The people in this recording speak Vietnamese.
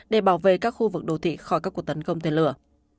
để bảo vệ các khu vực đô thị khỏi các cuộc tấn công tên lửa